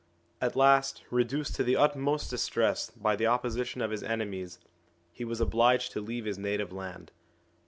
At last, reduced to the utmost distress by the opposition of his enemies, he was obliged to leave his native land.